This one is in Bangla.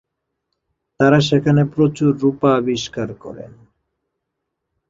তারা সেখানে প্রচুর রূপা আবিষ্কার করেন।